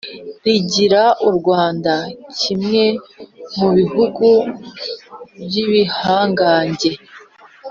rigira u Rwanda kimwe mubihugu by ibihangange